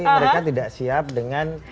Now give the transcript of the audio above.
mereka tidak siap dengan